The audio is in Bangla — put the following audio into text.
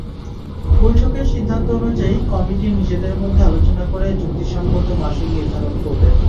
বৈঠকের সিদ্ধান্ত অনুযায়ী, কমিটি নিজেদের মধ্যে আলোচনা করে যুক্তিসংগত মাশুল নির্ধারণ করবে।